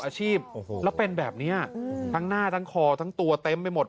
อาชีพโอ้โหแล้วเป็นแบบนี้ทั้งหน้าทั้งคอทั้งตัวเต็มไปหมด